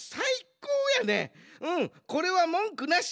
うんこれはもんくなし！